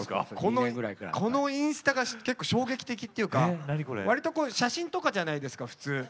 このインスタが結構衝撃的というか写真とかじゃないですか普通は。